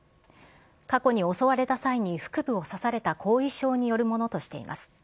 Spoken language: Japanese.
過去に襲われた際に腹部を刺された後遺症によるものとしています。